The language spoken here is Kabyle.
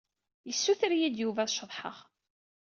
Yessuter-iyi-d Yuba ad ceḍḥeɣ.